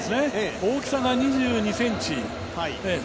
大きさが２２ｃｍ。